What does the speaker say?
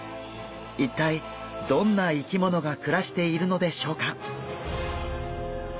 一体どんな生き物が暮らしているのでしょうか？